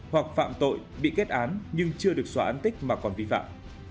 hoặc phạm tội bị kết án nhưng chưa được xóa án tích mà còn vi phạm